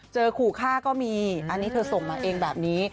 ขู่ฆ่าก็มีอันนี้เธอส่งมาเองแบบนี้